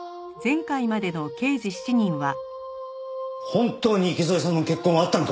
本当に池添さんの血痕はあったのか？